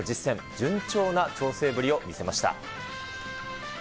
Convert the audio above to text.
順調な調整ぶりを見せました。